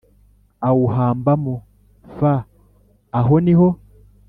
awuhambamo f Aho ni ho